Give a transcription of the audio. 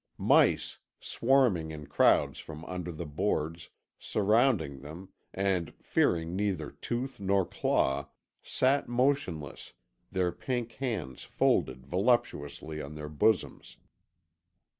Mice, swarming in crowds from under the boards, surrounded them, and fearing neither tooth nor claw, sat motionless, their pink hands folded voluptuously on their bosoms.